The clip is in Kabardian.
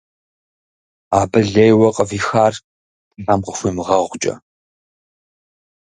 Абы лейуэ къывихар Тхьэм къыхуимыгъэгъукӀэ.